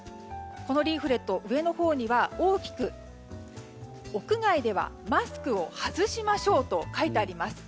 このリーフレット上のほうには大きく屋外ではマスクを外しましょうと書いてあります。